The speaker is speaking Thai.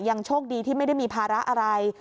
โชคดีที่ไม่ได้มีภาระอะไร